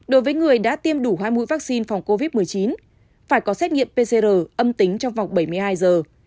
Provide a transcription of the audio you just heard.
đối với người đã tiêm đủ hai mũi vaccine phòng covid một mươi chín phải có xét nghiệm pcr âm tính trong vòng bảy mươi hai giờ